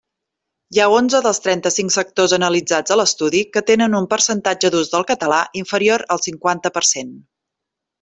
Hi ha onze dels trenta-cinc sectors analitzats a l'estudi que tenen un percentatge d'ús del català inferior al cinquanta per cent.